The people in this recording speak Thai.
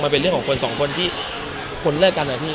เป็นเรื่องของคนสองคนที่คนเลิกกันอะพี่